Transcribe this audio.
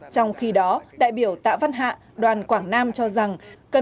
trong khi đó đại biểu tạ văn hạ đoàn quảng nam cho rằng